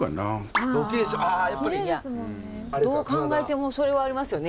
どう考えてもそれはありますよね。